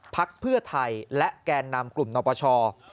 พรรคเพื่อไทยและแกนนามกลุ่มนัวประชา